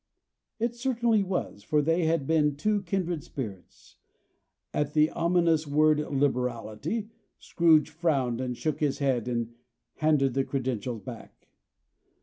It certainly was; for they had been two kindred spirits. At the ominous word "liberality," Scrooge frowned, and shook his head, and handed the credentials back.